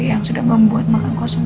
yang sudah membuat makan kosong